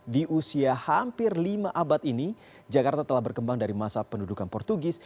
di usia hampir lima abad ini jakarta telah berkembang dari masa pendudukan portugis